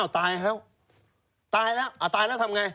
ต้อง